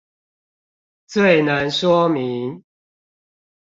最能說明